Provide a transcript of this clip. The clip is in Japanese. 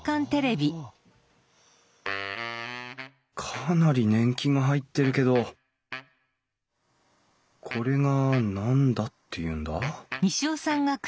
かなり年季が入ってるけどこれが何だっていうんだ？